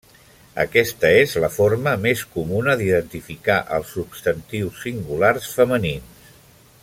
Aquesta és la forma més comuna d'identificar els substantius singulars femenins.